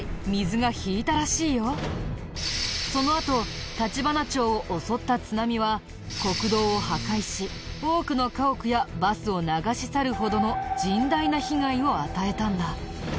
そのあと橘町を襲った津波は国道を破壊し多くの家屋やバスを流し去るほどの甚大な被害を与えたんだ。